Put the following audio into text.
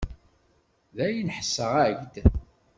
Dayen, ḥesseɣ-ak-d.